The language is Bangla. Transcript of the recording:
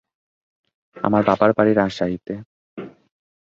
আমার বাবার বাড়ি রাজশাহীতে।